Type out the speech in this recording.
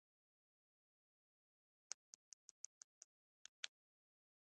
خپل مال ساته ګاونډي غل مه نیسه